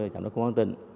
trạm đốc công an tỉnh